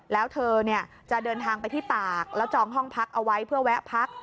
แล้วเธอจะเดินทางไปที่ตากแล้วจองห้องพักเอาไว้เพื่อแวะพัก